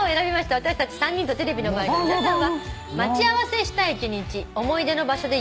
私たち３人とテレビの前の皆さんは。